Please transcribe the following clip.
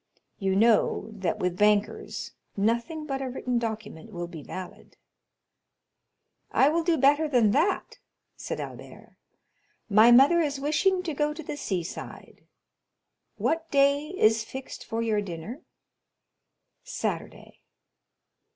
You know that with bankers nothing but a written document will be valid." "I will do better than that," said Albert; "my mother is wishing to go to the sea side—what day is fixed for your dinner?" "Saturday."